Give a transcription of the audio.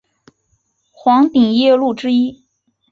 黄顶夜鹭之一。